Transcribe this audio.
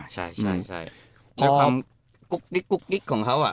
ใช่คุกกิ๊กของเขาอะ